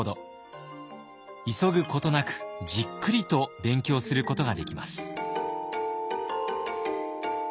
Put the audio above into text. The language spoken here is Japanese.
急ぐことなくじっくりと勉強することができます。